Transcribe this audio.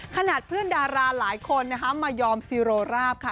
ขนาดเพื่อนดาราหลายคนนะคะมายอมซีโรราบค่ะ